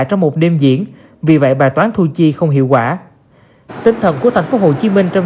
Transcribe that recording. dịch đêm diễn vì vậy bài toán thu chi không hiệu quả tinh thần của thành phố hồ chí minh trong